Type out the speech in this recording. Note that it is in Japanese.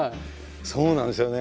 そうなんですよね。